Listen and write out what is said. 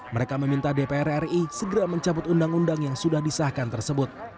mereka meminta dpr ri segera mencabut undang undang yang sudah disahkan tersebut